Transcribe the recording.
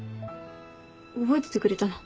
覚えててくれたの？